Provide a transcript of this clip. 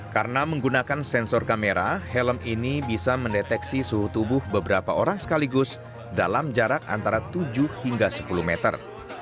karena menggunakan sensor kamera helm ini bisa mendeteksi suhu tubuh beberapa orang sekaligus dalam jarak antara tujuh hingga sepuluh meter